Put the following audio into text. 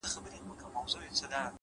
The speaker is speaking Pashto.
پوهه د تیارو افکارو پر وړاندې ډال ده,